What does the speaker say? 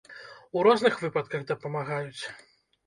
У розных выпадках дапамагаюць.